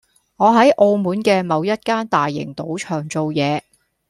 我喺澳門嘅某一間大型賭場做嘢